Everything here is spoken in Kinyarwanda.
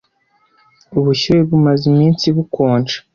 Ubushyuhe bumaze iminsi bukonje.